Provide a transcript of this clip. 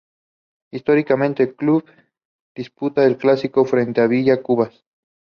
Históricamente, el club disputa el clásico frente a Villa Cubas.